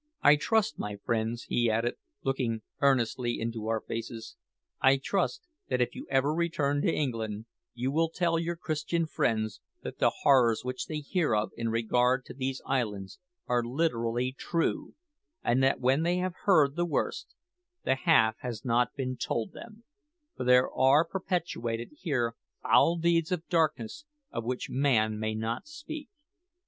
I trust, my friends," he added, looking earnestly into our faces "I trust that if you ever return to England, you will tell your Christian friends that the horrors which they hear of in regard to these islands are literally true, and that when they have heard the worst, the `_half has not been told them_;' for there are perpetrated here foul deeds of darkness of which man may not speak.